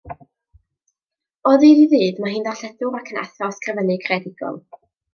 O ddydd i ddydd mae hi'n ddarlledwr ac yn athro ysgrifennu creadigol.